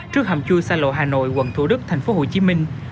trước hầm chui sa lộ hà nội quận thủ đức thành phố hồ chí minh